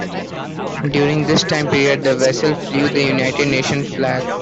During this time period, the vessel flew the United Nations flag.